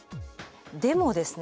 でもですね